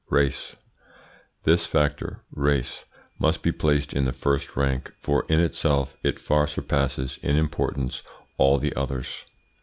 RACE This factor, race, must be placed in the first rank, for in itself it far surpasses in importance all the others.